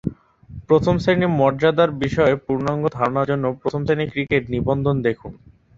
প্রথম-শ্রেণীর মর্যাদার বিষয়ে পূর্ণাঙ্গ ধারনার জন্য প্রথম-শ্রেণীর ক্রিকেট নিবন্ধ দেখুন।